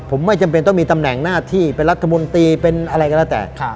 ผมไม่จำเป็นต้องมีตำแหน่งหน้าที่เป็นรัฐมนตรีเป็นอะไรก็แล้วแต่